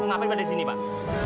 kenapa anda di sini pak